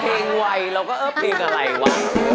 เพลงเว้ยเราก็เอ้อเพลงอะไรวะ